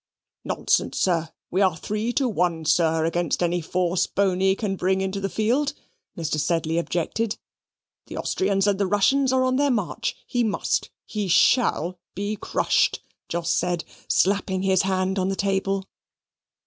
"Nonsense, sir, we are three to one, sir, against any force Boney can bring into the field," Mr. Sedley objected; "the Austrians and the Russians are on their march. He must, he shall be crushed," Jos said, slapping his hand on the table.